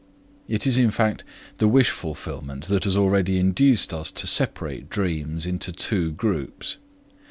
It is in fact the wish fulfillment that has already induced us to separate dreams into two groups.